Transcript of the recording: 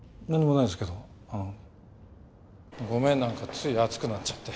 なんかつい熱くなっちゃって。